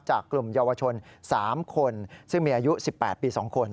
กลุ่มเยาวชน๓คนซึ่งมีอายุ๑๘ปี๒คน